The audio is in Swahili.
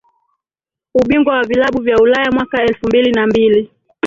Ubingwa wa vilabu vya Ulaya mwaka elfu mbili na mbili